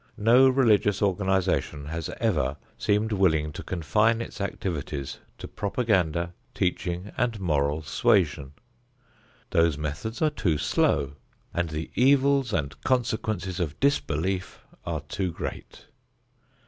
No religious organization has ever seemed willing to confine its activities to propaganda, teaching and moral suasion; those methods are too slow, and the evils and consequences of disbelief are too great.